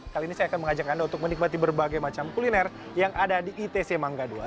kali ini saya akan mengajak anda untuk menikmati berbagai macam kuliner yang ada di itc mangga ii